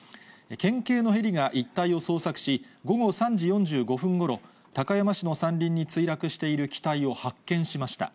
県警のヘリが一帯を捜索し、午後３時４５分ごろ、高山市の山林に墜落している機体を発見しました。